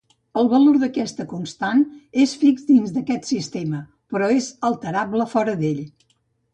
El valor d’aquesta constant és fix dins d’aquest sistema, però és alterable fora d’ell.